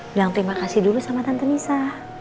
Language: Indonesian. bilang terima kasih dulu sama tante nisa